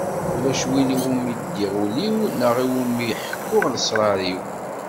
Ulac win i wumi ldiɣ ul-iw neɣ i wumi ḥekkuɣ lesrar-iw.